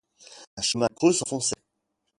Un chemin creux s'enfonçait.